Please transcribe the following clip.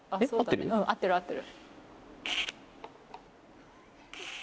合ってる合ってる。